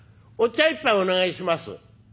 お茶一杯お願いします」。